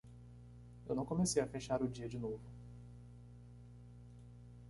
Eu não comecei a fechar o dia de novo.